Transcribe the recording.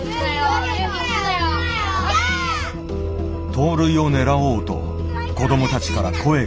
盗塁をねらおうと子どもたちから声が上がる。